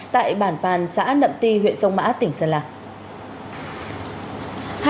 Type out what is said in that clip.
tại bản bàn xã nậm ti huyện sông mã tỉnh sơn la